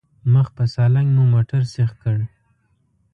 مخ په سالنګ مو موټر سيخ کړ.